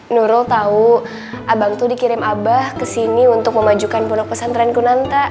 nurul tahu abang itu dikirim abah ke sini untuk memajukan pondok pesantren kunanta